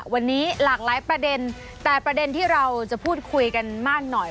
วันนี้หลากหลายประเด็นแต่ประเด็นที่เราจะพูดคุยกันมากหน่อย